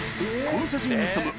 ［この写真に潜む］